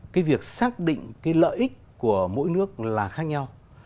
cái việc xác định cái lợi ích của mỗi nước là khác nhau